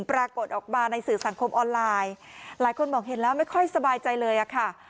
ปรากฏออกมาในสื่อสังคมออนไลน์หลายคนบอกเห็นแล้วไม่ค่อยสบายใจเลยอะค่ะ